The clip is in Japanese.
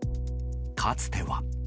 かつては。